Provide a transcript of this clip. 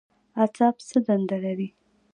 اعصاب څه دنده لري؟